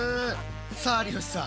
さあ有吉さん。